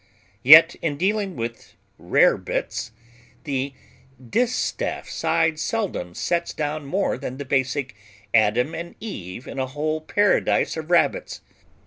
Yet in dealing with "Rarebits" the distaff side seldom sets down more than the basic Adam and Eve in a whole Paradise of Rabbits: No.